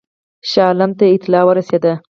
شاه عالم ته اطلاع ورسېده.